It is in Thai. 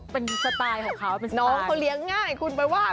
เป็นสไตล์ของเขาน้องเขาเลี้ยงง่ายคุณไปว่า